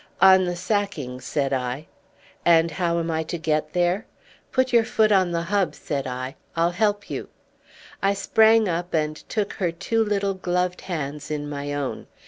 "On the sacking," said I. "And how am I to get there?" "Put your foot on the hub," said I. "I'll help you." I sprang up and took her two little gloved hands in my own.